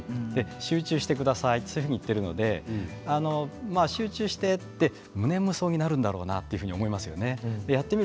集中してくださいと言っているので集中して無念無想になるんだろうなと思いますよね。